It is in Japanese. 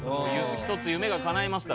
１つ夢がかないました。